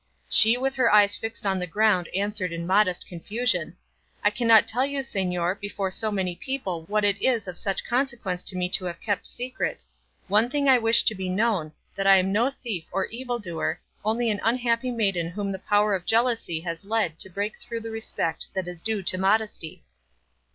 She with her eyes fixed on the ground answered in modest confusion, "I cannot tell you, señor, before so many people what it is of such consequence to me to have kept secret; one thing I wish to be known, that I am no thief or evildoer, but only an unhappy maiden whom the power of jealousy has led to break through the respect that is due to modesty."